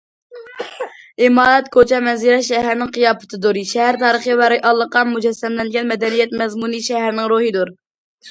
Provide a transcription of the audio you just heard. ئىمارەت، كوچا، مەنزىرە شەھەرنىڭ قىياپىتىدۇر، شەھەر تارىخى ۋە رېئاللىققا مۇجەسسەملەنگەن مەدەنىيەت مەزمۇنى شەھەرنىڭ روھىدۇر.